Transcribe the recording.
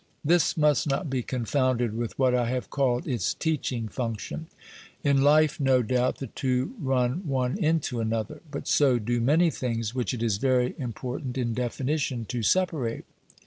This must not be confounded with what I have called its teaching function. In life, no doubt, the two run one into another. But so do many things which it is very important in definition to separate.